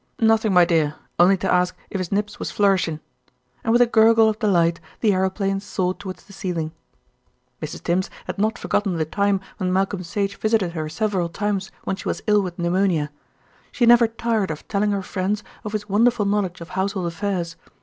"Nothing, my dear, only to ask if his Nibs was flourishin'," and with a gurgle of delight the aeroplane soared towards the ceiling. Mrs. Tims had not forgotten the time when Malcolm Sage visited her several times when she was ill with pneumonia. She never tired of telling her friends of his wonderful knowledge of household affairs.